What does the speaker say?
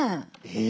え？